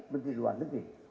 menteri luar negeri